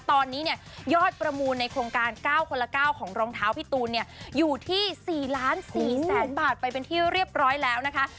ตอนนี้เนี่ยยอดประมูลในโครงการ๙คนละ๙ของรองเท้าพี่ตูนเนี่ยอยู่ที่๔๔๐๐๐บาทไปเป็นที่เรียบร้อยแล้วนะคะ